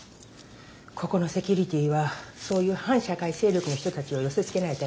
ここのセキュリティーはそういう反社会勢力の人たちを寄せつけないために厳重にしてるのよ。